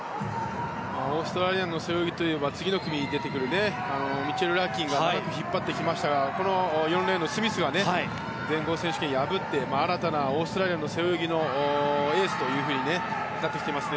オーストラリアの背泳ぎといえば次の組に出てくるミッチェル・ラーキンが長く引っ張ってきましたがこの４レーンのスミスが全豪選手権で破って新たなオーストラリアの背泳ぎのエースとなってきています。